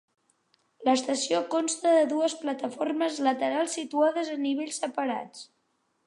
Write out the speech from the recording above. L'estació consta de dues plataformes laterals situades en nivells separats.